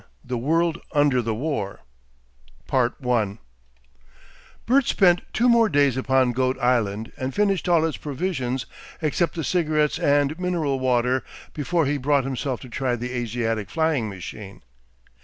THE WORLD UNDER THE WAR 1 Bert spent two more days upon Goat Island, and finished all his provisions except the cigarettes and mineral water, before he brought himself to try the Asiatic flying machine.